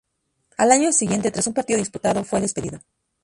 Al año siguiente, tras un partido disputado, fue despedido.